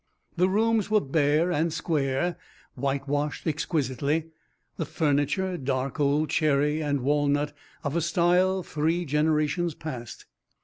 The rooms were bare and square, whitewashed exquisitely, the furniture dark old cherry and walnut of a style three generations past.